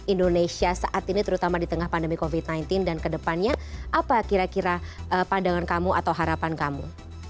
indonesia saat ini terutama di tengah pandemi covid sembilan belas dan kedepannya apa kira kira pandangan kamu atau harapan kamu